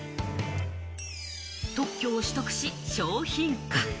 特許を取得し、商品化。